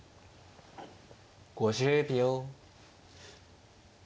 ５０秒。